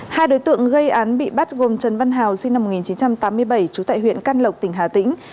hai đối tượng gây án bị bắt gồm trần văn hào sinh năm một nghìn chín trăm tám mươi bảy trú tại huyện can lộc tỉnh hà tĩnh